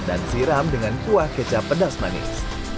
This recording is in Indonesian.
dan siram dengan kuah kecap pedas manis